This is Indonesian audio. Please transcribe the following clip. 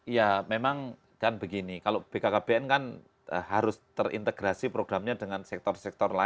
iya memang kan begini kalau bkkbn kan harus terintegrasi programnya dengan sektor sektornya